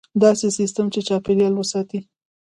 داسې سیستم چې چاپیریال وساتي.